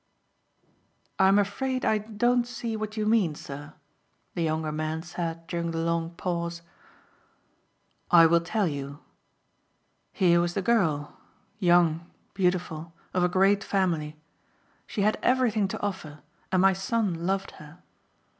"I'm afraid I don't see what you mean sir," the younger man said during the long pause. "I will tell you. Here was the girl. Young, beautiful, of a great family. She had everything to offer and my son loved her.